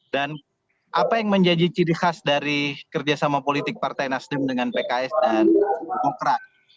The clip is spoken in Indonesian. dan apa yang menjadi ciri khas dari kerjasama politik partai nasdam dengan pks dan demokrat